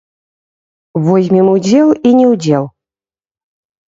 Возьмем удзел і не ўдзел.